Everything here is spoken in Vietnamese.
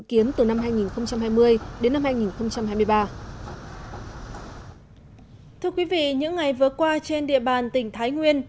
kiến từ năm hai nghìn hai mươi đến năm hai nghìn hai mươi ba thưa quý vị những ngày vừa qua trên địa bàn tỉnh thái nguyên